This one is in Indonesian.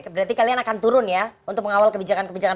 berarti kalian akan turun ya untuk mengawal kebijakan kebijakan